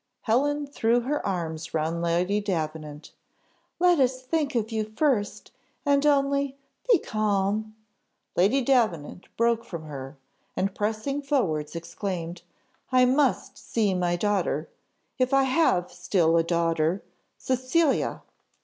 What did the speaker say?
Helen threw her arms round Lady Davenant. "Let us think of you first, and only be calm." Lady Davenant broke from her, and pressing forwards exclaimed, "I must see my daughter if I have still a daughter! Cecilia!"